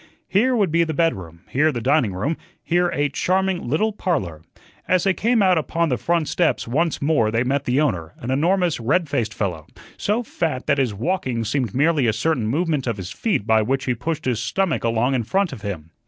Here would be the bedroom, here the dining room, here a charming little parlor. As they came out upon the front steps once more they met the owner, an enormous, red faced fellow, so fat that his walking seemed merely a certain movement of his feet by which he pushed his stomach along in front of him.